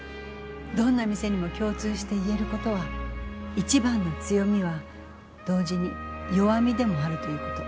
どんな店にも共通して言えることは一番の強みは同時に弱みでもあるということ。